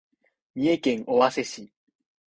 三重県尾鷲市